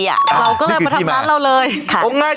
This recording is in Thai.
เราก็เลยมาทำร้านเราเลย